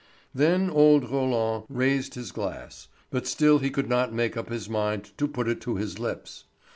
Then old Roland raised his glass, but still he could not make up his mind to put it to his lips.